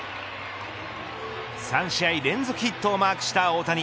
３試合連続ヒットをマークした大谷。